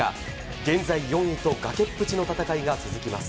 現在４位と崖っぷちの戦いが続きます。